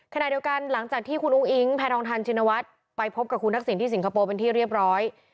ขณะเดียวกันหลังจากที่คุณอุ้งอิ๊งแพทองทันชินวัฒน์ไปพบกับคุณทักษิณที่สิงคโปร์เป็นที่เรียบร้อย